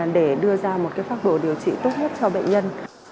để đưa ra một phác đồ điều trị tốt nhất cho bệnh nhân